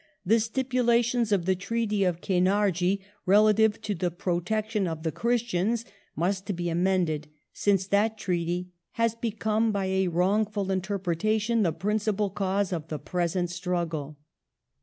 The stipulations of the Treaty of Kainardji relative to the protection of the Christians must be amended, since that treaty "has become by a wrongful interpretation the principal cause of the present struggle